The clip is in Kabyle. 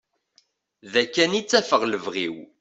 Da kan i ttafeɣ lebɣi-w.